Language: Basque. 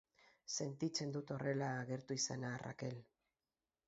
Sentitzen dut horrela agertu izana, Rakel.